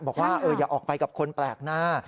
บอกว่าอย่าออกไปกับคนแปลกหน้า